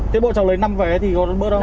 thế bộ cháu lấy năm vé thì có bớt không